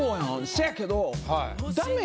そやけど。